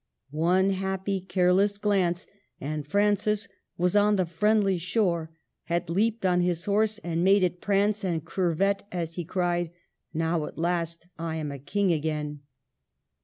One happy, careless glance, and Francis was on the friendly shore, had leaped on his horse and made it prance and curvet as he cried, '' Now, at last, I am a King again